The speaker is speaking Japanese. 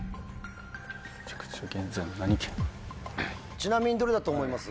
ちなみにどれだと思います？